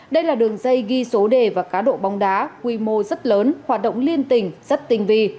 đây là đường dây ghi số đề và cá độ bóng đá quy mô rất lớn hoạt động liên tình rất tinh vi